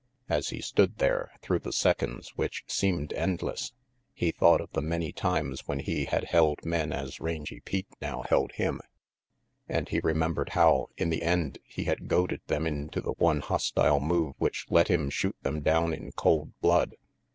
As he stood there through the seconds which seemed endless, he thought of the many times when he had held men as Rangy Pete now held him; and he remembered how, in the end, he had goaded them into the one hostile move which let him shoot them down in cold blood.